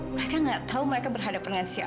mereka nggak tahu mereka berhadapan dengan siapa